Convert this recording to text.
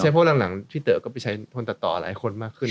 เพราะหลังพี่เต๋อก็ไปใช้คนตัดต่อหลายคนมากขึ้น